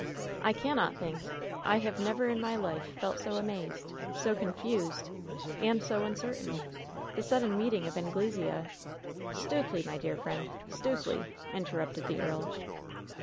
"I cannot think! I have never in my life felt so amazed, so confused, and so uncertain! The sudden meeting of Anglesea '' "Stukely, my dear friend! Stukely!'' interrupted the earl.